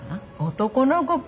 男の子か。